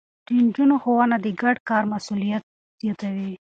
د نجونو ښوونه د ګډ کار مسووليت زياتوي.